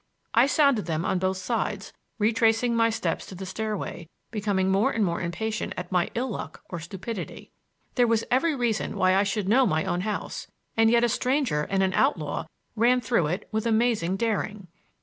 I sounded them on both sides, retracing my steps to the stairway, becoming more and more impatient at my ill luck or stupidity. There was every reason why I should know my own house, and yet a stranger and an outlaw ran through it with amazing daring.